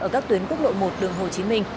ở các tuyến quốc lộ một đường hồ chí minh